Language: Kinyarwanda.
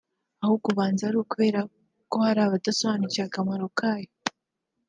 ahubwo ubanza ari ukubera ko hari abadasobanukiwe akamaro kayo